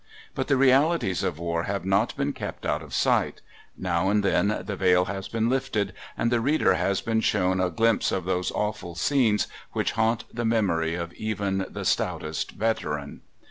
But the realities of war have not been kept out of sight; now and then the veil has been lifted, and the reader has been shown a glimpse of those awful scenes which haunt the memory of even the stoutest veteran.